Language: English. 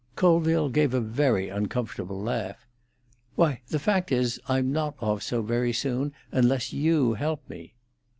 Colville gave a very uncomfortable laugh. "Why, the fact is, I'm not off so very soon unless you help me."